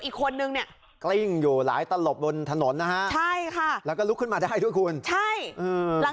อีกคนนึ่งกลิ้งอยู่หลายตลบบนถนนนะฮะ